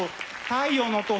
「太陽の塔」